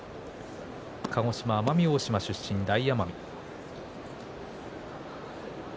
鹿児島奄美大島出身の大奄美。